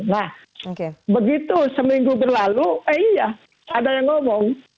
nah begitu seminggu berlalu eh iya ada yang ngomong